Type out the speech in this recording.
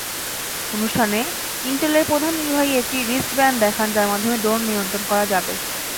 অনুষ্ঠানে ইনটেলের প্রধান নির্বাহী একটি রিস্টব্যান্ড দেখান যার মাধ্যমে ড্রোন নিয়ন্ত্রণ করা যাবে।